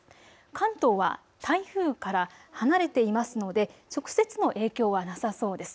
関東は台風から離れていますので直接の影響はなさそうです。